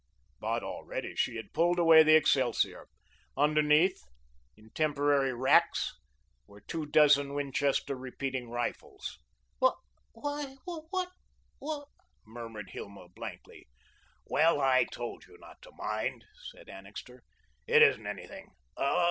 But already she had pulled away the excelsior. Underneath, in temporary racks, were two dozen Winchester repeating rifles. "Why what what " murmured Hilma blankly. "Well, I told you not to mind," said Annixter. "It isn't anything.